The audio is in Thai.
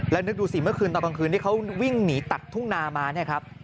แล้วนึกดูสิเมื่อคืนตอนกลางคืนที่เขาวิ่งหนีตัดทุ่งนามาเนี่ยครับ